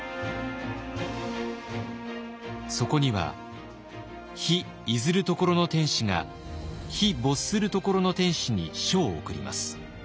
そこには「日出ずる処の天子が日没する処の天子に書を送ります。